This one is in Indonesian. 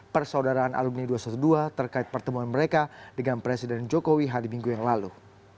persaudaraan alumni dua ratus dua belas terkait pertemuan mereka dengan presiden jokowi hari minggu yang lalu